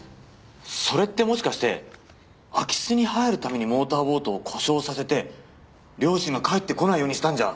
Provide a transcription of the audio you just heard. それってもしかして空き巣に入るためにモーターボートを故障させて両親が帰ってこないようにしたんじゃ。